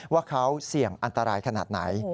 ว่าเขาเสี่ยงอันตรายขนาดไหน